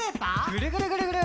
ぐるぐるぐるぐる。